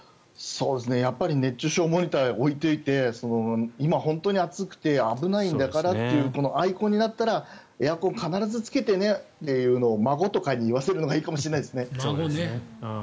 やっぱり熱中症モニターを置いておいて今、本当に暑くて危ないんだからというこのアイコンになったらエアコンを必ずつけてねというのを孫とかに言わせるのはいいと思いますね。